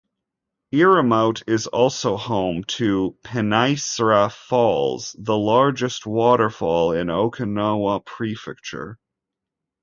Iriomote is also home to Pinaisara Falls, the largest waterfall in Okinawa Prefecture.